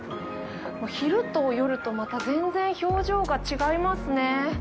昼と夜と、また全然表情が違いますね。